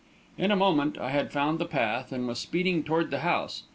In a moment, I had found the path and was speeding toward the house.